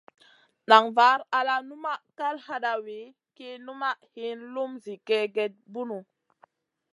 Nan var al numaʼ ma kal hadawi ki numaʼ hin lum zi kègèda bunu.